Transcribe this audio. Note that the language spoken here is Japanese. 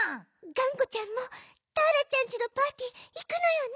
「がんこちゃんもターラちゃんちのパーティーいくのよね？」。